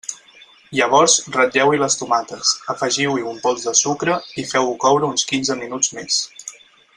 Llavors ratlleu-hi les tomates, afegiu-hi un pols de sucre i feu-ho coure uns quinze minuts més.